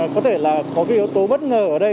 có thể là có cái yếu tố bất ngờ ở đây